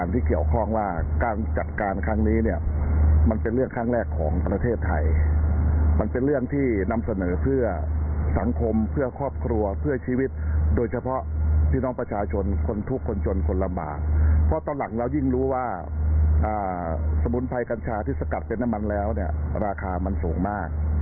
ที่สกัดเป็นน้ำมันแล้วราคามันสูงมาก